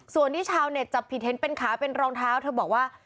ส่วนที่ชาวเน็ตจับผิดเห็นเป็นขาเป็นรองเท้าเธอบอกว่า